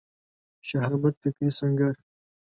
شهامت فکري سنګر